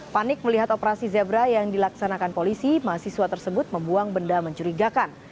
panik melihat operasi zebra yang dilaksanakan polisi mahasiswa tersebut membuang benda mencurigakan